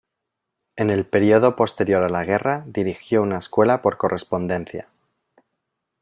En el período posterior a la guerra, dirigió una escuela por correspondencia.